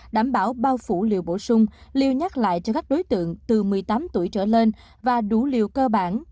đảm bảo bao phủ liệu bổ sung lưu nhắc lại cho các đối tượng từ một mươi tám tuổi trở lên và đủ liều cơ bản